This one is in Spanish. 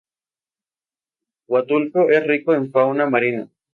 Huatulco es rico en fauna marina.